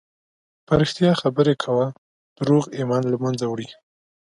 په رښتیا خبرې کوه، دروغ ایمان له منځه وړي.